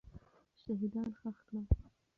شهیدان ښخ کړه.